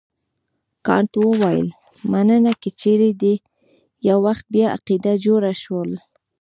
کانت وویل مننه که چیرې دې یو وخت بیا عقیده جوړه شول.